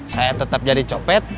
saya tetap jadi copet